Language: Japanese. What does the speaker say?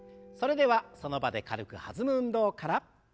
それではその場で軽く弾む運動から。